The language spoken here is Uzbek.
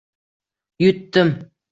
Yutdim.